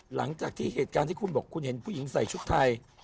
หลังจากที่เหตุการณ์ที่คุณบอกคุณเห็นผู้หญิงใส่ชุดไทย